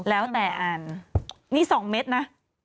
แล้วแต่อ่านนี่๒เม็ดนะ